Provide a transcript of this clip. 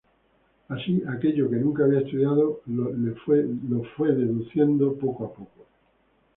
Así, aquello que nunca había estudiado lo fue deduciendo poco a poco.